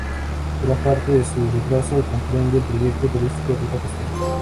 Gran parte de su trazado comprende el Proyecto Turístico "Ruta Costera".